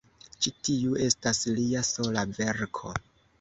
Ĉi tiu estas lia sola verko.